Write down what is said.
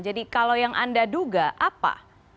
jadi kalau yang anda duga apa